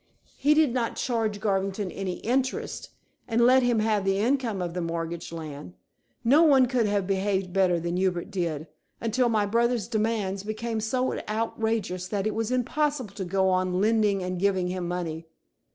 He did not charge Garvington any interest, and let him have the income of the mortgaged land. No one could have behaved better than Hubert did, until my brother's demands became so outrageous that it was impossible to go on lending and giving him money.